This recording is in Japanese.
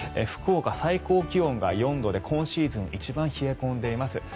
福岡、最高気温が４度で今シーズン一番冷え込んでいます。